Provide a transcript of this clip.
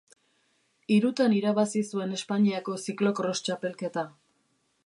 Hirutan irabazi zuen Espainiako Ziklo-kros Txapelketa.